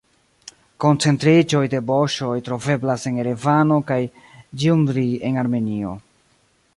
Koncentriĝoj de boŝoj troveblas en Erevano kaj Gjumri en Armenio.